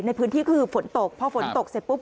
ในพื้นที่คือฝนตกพอฝนตกเสร็จปุ๊บ